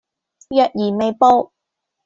若然未報